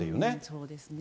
そうですね。